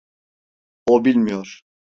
O bilmiyor.